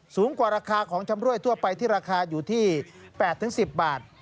สูงกว่าราคาของชำรวยทั่วไปที่ราคาอยู่ที่๘๑๐บาท